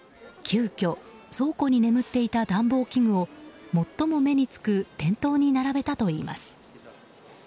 急きょ、倉庫に眠っていた暖房器具を最も目につく店頭に並べたといいます。